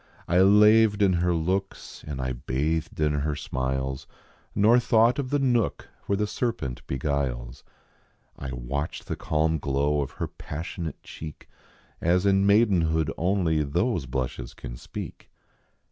I laved in her looks and I bathed in her smiles, Nor thought of the nook where the serpent beguiles ; I watched the calm glow of her passionate cheek, As in maidenhood only those blushes can speak.